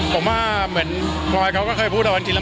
ผมว่าเหมือนบรรยาเขาเคยพูดวันที่แล้ว